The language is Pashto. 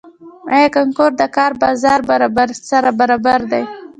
آیا کانکور د کار بازار سره برابر دی؟